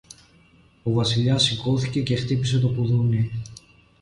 Ο Βασιλιάς σηκώθηκε και χτύπησε το κουδούνι.